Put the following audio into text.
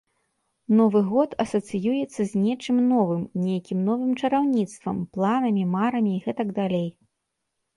Новы год асацыюецца з нечым новым, нейкім новым чараўніцтвам, планамі, марамі і гэтак далей.